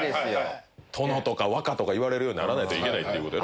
殿とか若とか言われるようにならないといけないっていうこと。